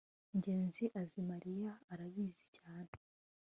ngenzi azi mariya arabizi cyane